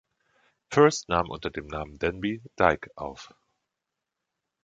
First nahm unter dem Namen Denby Dyke auf.